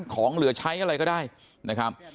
ของเหลือใช้อะไรก็ได้นะครับ